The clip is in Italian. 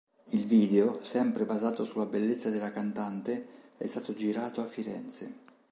Il video, sempre basato sulla bellezza della cantante, è stato girato a Firenze.